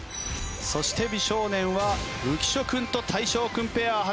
そして美少年は浮所君と大昇君ペア。